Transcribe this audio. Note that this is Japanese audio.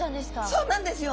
そうなんですよ。